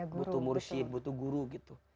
butuh mursyid butuh guru gitu